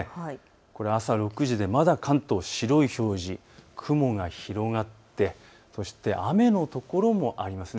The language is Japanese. これは朝６時で関東まだ白い表示、雲が広がってそして雨の所もあります。